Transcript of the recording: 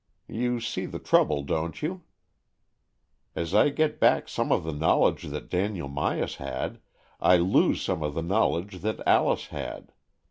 You see the trouble, don't you ? As I get back some of the knowledge that Daniel Myas had, I lose some of the knowledge that Alice had.